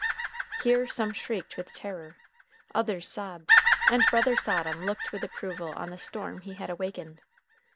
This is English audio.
Here some shrieked with terror, others sobbed, and Brother Sodom looked with approval on the storm he had awakened.